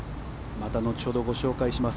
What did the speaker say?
また後ほどご紹介します。